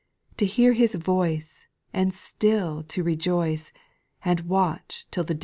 To hear His voice, And still to rejoice. And watch till the da.